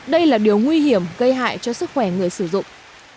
đây là điều nguy hiểm gây hại cho sức khỏe người sử dụng